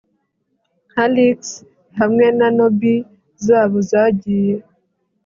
nka leeks hamwe na nobby zabo zagiye